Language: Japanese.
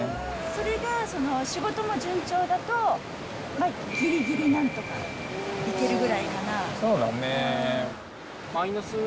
それが仕事も順調だと、ぎりぎりなんとかいけるぐらいかな。